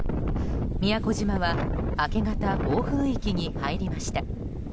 宮古島は明け方暴風域に入りました。